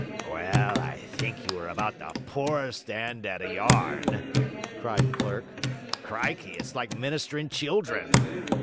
'Well, I think you are about the poorest 'and at a yarn!' cried the clerk. 'Crikey, it's like Ministering Children!